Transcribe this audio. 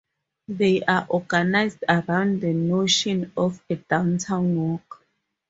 They are organized around the notion of a downtown walk.